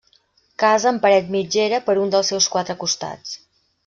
Casa amb paret mitgera per un dels seus quatre costats.